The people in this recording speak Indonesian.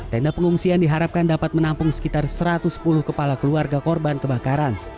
tenda pengungsian diharapkan dapat menampung sekitar satu ratus sepuluh kepala keluarga korban kebakaran